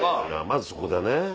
まずそこだね。